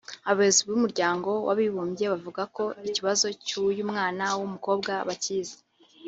Abayobozi b’Umuryango w’Abibumbye bavuga ko ikibazo cy’uyu mwana w’umukobwa bakizi